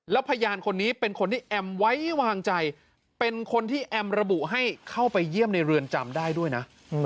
แล้วพยานคนนี้เป็นคนที่แอมไว้วางใจเป็นคนที่แอมระบุให้เข้าไปเยี่ยมในเรือนจำได้ด้วยนะ